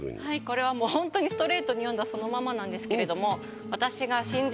これはもうほんとにストレートに詠んだそのままなんですけれども。